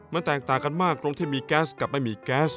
มันแตกต่างกันมากตรงที่มีแก๊สกับไม่มีแก๊ส